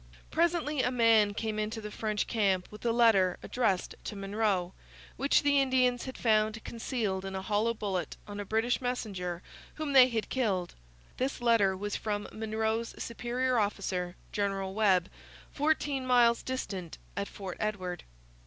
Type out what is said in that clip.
Presently a man came in to the French camp with a letter addressed to Monro, which the Indians had found concealed in a hollow bullet on a British messenger whom they had killed. This letter was from Monro's superior officer, General Webb, fourteen miles distant at Fort Edward.